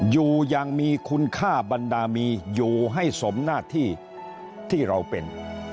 อยู่อย่างมีคุณค่าบรรดามีอยู่ให้สมหน้าที่ที่เราเป็น